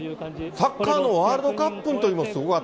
でも、サッカーのワールドカップのときもすごかった。